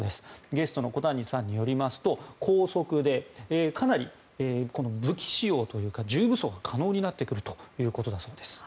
ゲストの小谷さんによりますと高速でかなり武器使用というか重武装が可能になってくるということです。